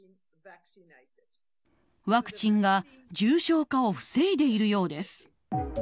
ワクチンが重症化を防いでいるようです。